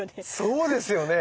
そうですよね。